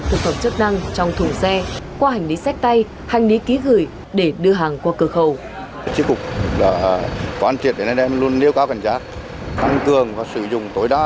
thực phẩm chức năng trong thủ xe qua hành lý sách tay hành lý ký gửi để đưa hàng qua cửa khẩu